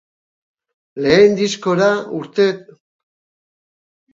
Lehen diskora urteetan ziurtasuna hartuta.